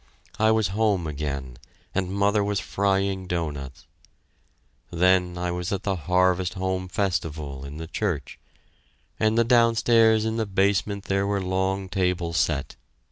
I was home again, and mother was frying doughnuts.... Then I was at the Harvest Home Festival in the church, and downstairs in the basement there were long tables set.